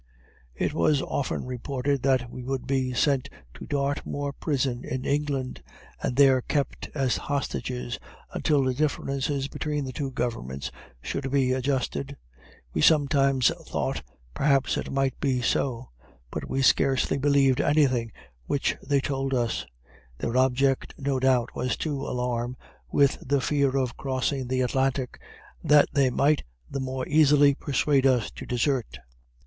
It was often reported that we would be sent to Dartmoor prison, in England, and there kept as hostages, until the differences between the two governments should be adjusted. We sometimes thought perhaps it might be so, but we scarcely believed anything which they told us; their object no doubt was to alarm, with the fear of crossing the Atlantic, that they might the more easily pursuade us to desert.